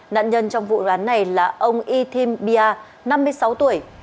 nạn nhân trong vụ án này là ông yithim bia năm mươi sáu tuổi